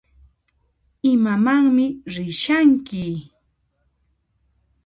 Imamanmi rishanki?